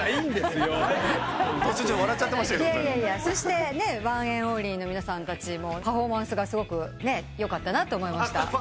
そしてＯＮＥＮ’ＯＮＬＹの皆さんたちもパフォーマンスがすごくよかったなと思いました。